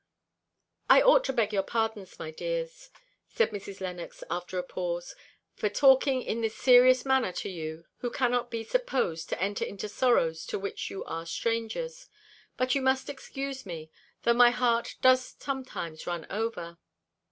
"I ought to beg your pardon, my dears," said Mrs. Lennox, after a pause, for talking in this serious manner to you who cannot be supposed to enter into sorrows to which you are strangers. But you must excuse me, though my heart does sometimes run over."